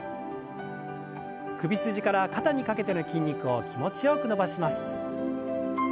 首筋から肩にかけての筋肉を気持ちよく伸ばします。